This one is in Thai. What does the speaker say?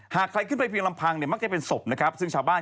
หากมีใครมาขึ้นเป็นสบเนี่ยมากเต็มเป็นสบนะครับ